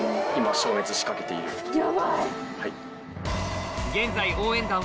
ヤバい。